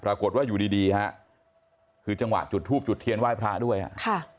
ปรากฏว่าอยู่ดีดีฮะคือจังหวะจุดทูบจุดเทียนไหว้พระด้วยอ่ะค่ะ